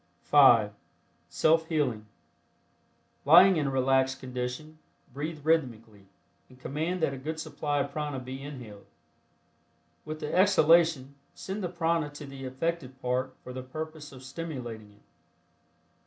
(5) SELF HEALING. Lying in a relaxed condition, breathe rhythmically, and command that a good supply of prana be inhaled. With the exhalation, send the prana to the affected part for the purpose of stimulating it.